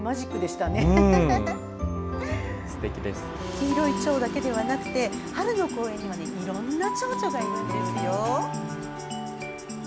黄色いチョウだけでなくて春の公園にはいろんなチョウチョがいるんですよ。